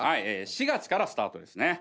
４月からスタートですね。